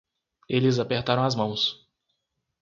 Eles apertaram as mãos.